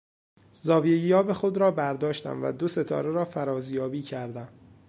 زاویهیاب خود را برداشتم و دو ستاره را فرازیابی کردم.